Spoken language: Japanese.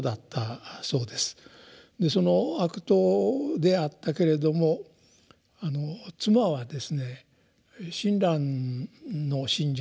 その悪党であったけれども妻はですね親鸞の信者であったというんですね。